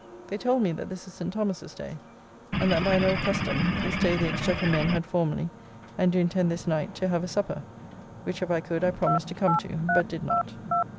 They told me that this is St. Thomas's [day], and that by an old custom, this day the Exchequer men had formerly, and do intend this night to have a supper; which if I could I promised to come to, but did not.